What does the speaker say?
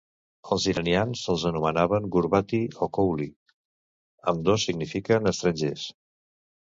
Els iranians els anomenaven "gurbati" o "kouli", ambdós signifiquen "estrangers".